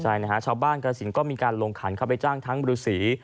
ใช่นะฮะชาวบ้านกรสินก็มีการลงขันเข้าไปจ้างทั้งบริษี